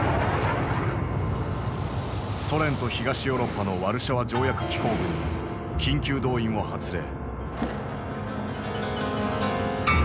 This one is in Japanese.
ソ連と東ヨーロッパのワルシャワ条約機構軍に緊急動員を発令。